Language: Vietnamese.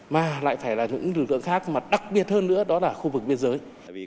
mà lại phải là những lực lượng khác mà đặc biệt hơn nữa đó là khu vực biên giới